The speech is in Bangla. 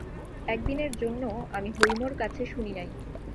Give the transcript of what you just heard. একদিনের জন্যও আমি হৈমর কাছে শুনি নাই।